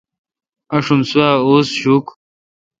آݭم سوا اوز شوکھ۔